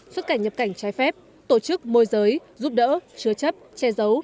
xuất cảnh nhập cảnh trái phép tổ chức môi giới giúp đỡ chứa chấp che giấu